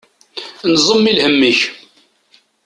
Nẓem i lhem-ik.